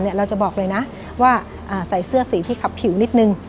เราจะบอกเลยนะว่าใส่เสื้อสีที่ขับผิวนิดนึง